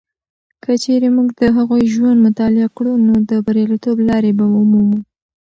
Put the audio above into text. که چیرې موږ د هغوی ژوند مطالعه کړو، نو د بریالیتوب لارې به ومومو.